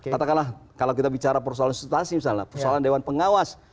katakanlah kalau kita bicara persoalan substansi misalnya persoalan dewan pengawas